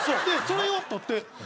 でそれを取って。